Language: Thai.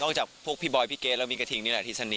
จากพวกพี่บอยพี่เกดแล้วมีกระทิงนี่แหละที่สนิท